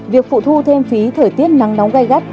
việc phụ thu thêm phí thời tiết nắng nóng gai gắt